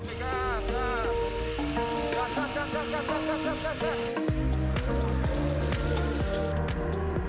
emang cukup banget sih